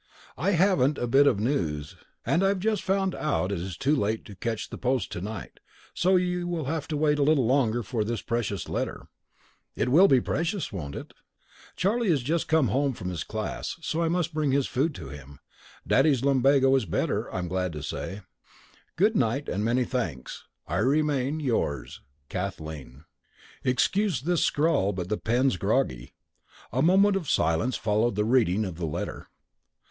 I haven't a bit of news, and I have just found out it is too late to catch the post to night, so you will have to wait a little longer for this precious letter it will be precious, won't it? Charlie has just come home from his class, so I must bring his food for him. Daddy's lumbago is better, I'm glad to say. Good night, and with many thanks I remain Yours, KATHLEEN. Excuse this scrawl, but the pen's groggy. A moment of silence followed the reading of the letter.